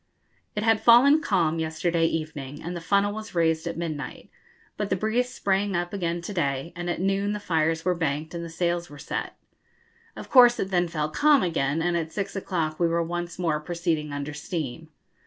It had fallen calm yesterday evening, and the funnel was raised at midnight, but the breeze sprang up again to day, and at noon the fires were banked and the sails were set. Of course it then fell calm again, and at six o'clock we were once more proceeding under steam.